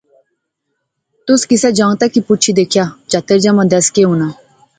تس کسا جنگتا کی پُچھا دیکھا پچہتر جمع دس کے ہونا